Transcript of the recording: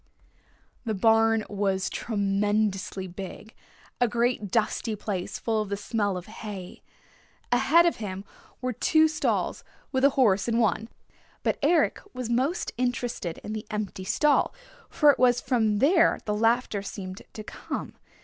The barn was tremendously big, a great dusty place full of the smell of hay. Ahead of him were two stalls, with a horse in one. But Eric was most interested in the empty stall, for it was from there the laughter seemed to come.